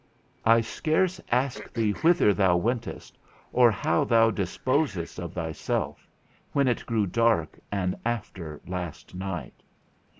I dare scarce ask thee whither thou wentest, or how thou disposedst of thyself, when it grew dark and after last night.